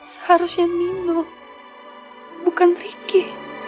seharusnya nino bukan ricky